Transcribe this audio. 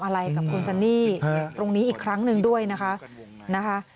อะไรกับคุณซันนี่ตรงนี้อีกครั้งหนึ่งด้วยนะคะ